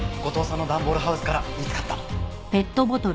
後藤さんのダンボールハウスから見つかった。